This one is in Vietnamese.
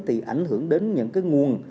thì ảnh hưởng đến những cái nguồn